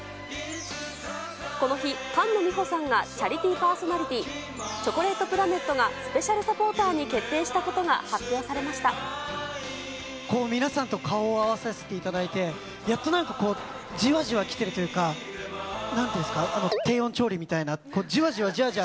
この日、菅野美穂さんがチャリティーパーソナリティー、チョコレートプラネットがスペシャルサポーターに決定したことがこう、皆さんと顔を合わさせていただいて、やっとなんか、じわじわきてるというか、なんて言うんですか、低温調理みたいな、じわじわじわじわ。